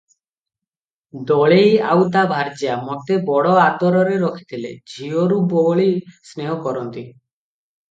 ଦଳେଇ ଆଉ ତା ଭାର୍ଯ୍ୟା ମୋତେ ବଡ ଆଦରରେ ରଖିଥିଲେ, ଝିଅରୁ ବଳି ସ୍ନେହ କରନ୍ତି ।